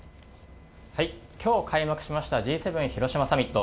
今日開幕しましたＧ７広島サミット。